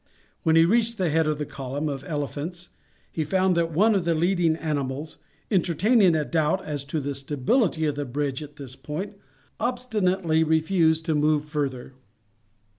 When he reached the head of the column of elephants he found that one of the leading animals, entertaining a doubt as to the stability of the bridge at this point, obstinately refused to move further.